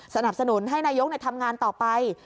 สนับสนุนให้นายกทำงานต่อไป